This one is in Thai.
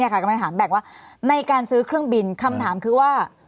กำลังถามแบ่งว่าในการซื้อเครื่องบินคำถามคือว่า